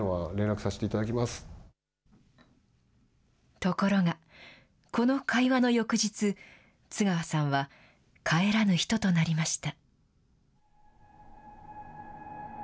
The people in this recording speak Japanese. ところが、この会話の翌日、津川さんは帰らぬ人となりました。